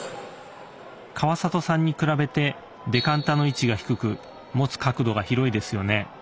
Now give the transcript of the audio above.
川里さんに比べてデカンタの位置が低く持つ角度が広いですよね。